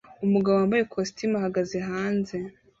Umugabo wambaye ikositimu ahagaze hanze